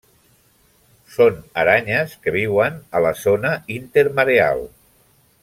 Són aranyes que viuen a la zona intermareal.